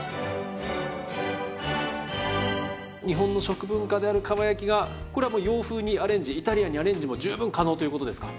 日本の食文化であるかば焼きがこれはもう洋風にアレンジイタリアンにアレンジも十分可能ということですか？